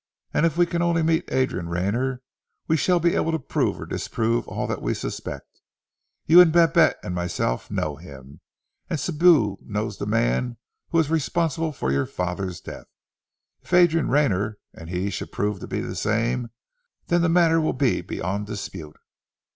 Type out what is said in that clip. "And if we can only meet Adrian Rayner we shall be able to prove or disprove all that we suspect. You and Babette and myself know him and Sibou knows the man who was responsible for your father's death. If Adrian Rayner and he should prove to be the same, then the matter will be beyond dispute."